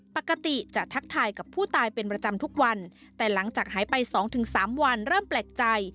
ปกติจะทักทายกับผู้ตายเป็นประจำทุกวันแต่หลังจากหายไปสองถึงสามวันเริ่มแปลกใจ